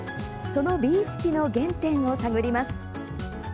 その美意識の原点を探ります。